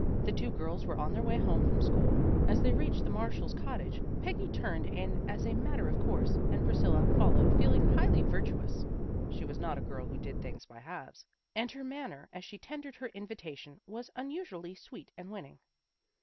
The two girls were on their way home from school. As they reached the Marshall's cot tage, Peggy turned in as a matter of course, and Priscilla followed, feeling highly virtuous. She was not a girl who did things by halves, and her manner as she tendered her invitation was unusually sweet and winning.